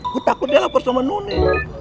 gue takut dia lapar sama noni